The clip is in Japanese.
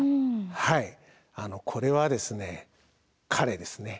はいこれは彼ですね。